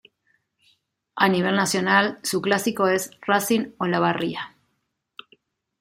A nivel nacional su clásico es Racing Olavarría.